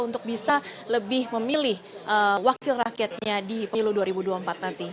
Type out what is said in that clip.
untuk bisa lebih memilih wakil rakyatnya di pilu dua ribu dua puluh empat nanti